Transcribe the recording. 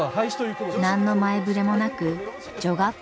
何の前触れもなく女学校が廃止に。